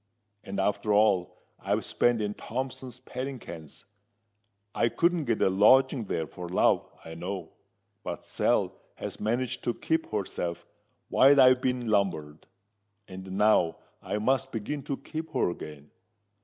And after all I've spent in Thompson's padding kens, I couldn't get a lodging there for love, I know. But Sal has managed to keep herself while I've been lumbered; and now I must begin to keep her again.